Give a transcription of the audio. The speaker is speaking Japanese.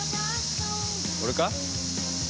俺か？